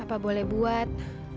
apa boleh buat